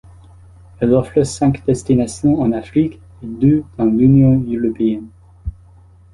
Elle offre cinq destinations en Afrique et deux dans l'Union Européenne.